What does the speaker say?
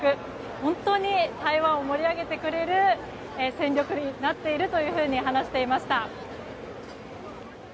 本当に台湾を盛り上げてくれる戦力になっているというふうに話していました。